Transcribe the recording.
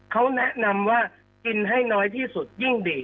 เขาแนะนำว่ากินให้น้อยที่สุดยิ่งดี